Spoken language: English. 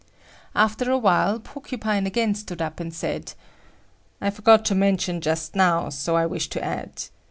After a while, Porcupine again stood up, and said. "I forgot to mention just now, so I wish to add.